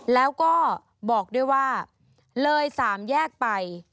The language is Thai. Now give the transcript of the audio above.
แล้วก็บอกด้วยว่าเลย๓แยกไป